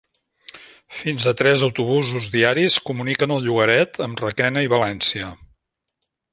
Fins a tres autobusos diaris comuniquen el llogaret amb Requena i València.